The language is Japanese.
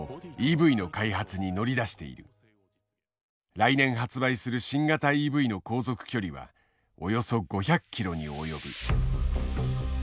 来年発売する新型ＥＶの航続距離はおよそ５００ｋｍに及ぶ。